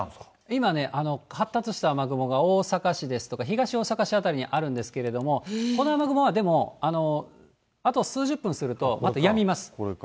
今ね、発達した雨雲が大阪市ですとか、東大阪市辺りにあるんですけれども、この雨雲はでも、あと数十分すると、またやみます。